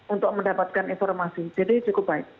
untuk mendapatkan informasi jadi cukup baik